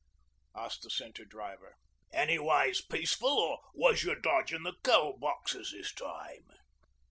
asked the Centre Driver. 'Anyways peaceful, or was you dodgin' the Coal Boxes this time?'